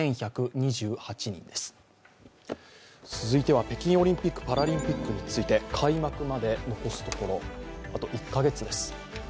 続いては、北京オリンピック・パラリンピックについて、開幕まで残すところ、あと１カ月です。